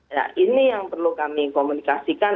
ya ini yang perlu kami komunikasikan